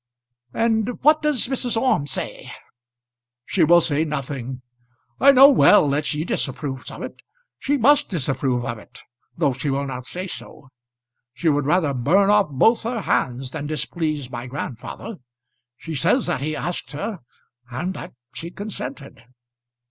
"And what does Mrs. Orme say?" "She will say nothing. I know well that she disapproves of it. She must disapprove of it, though she will not say so. She would rather burn off both her hands than displease my grandfather. She says that he asked her and that she consented."